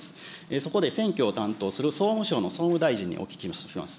そこで選挙を担当する総務省の総務大臣にお聞きします。